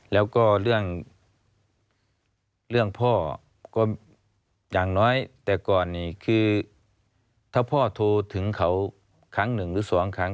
แล้วก็เรื่องพ่อก็อย่างน้อยแต่ก่อนนี่คือถ้าพ่อโทรถึงเขาครั้งหนึ่งหรือสองครั้ง